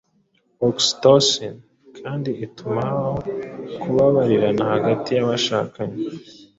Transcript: oxytocin kandi ituma habaho kubabarirana hagati y’abashakanye,